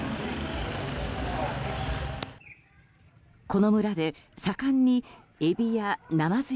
この村で盛んにエビやナマズ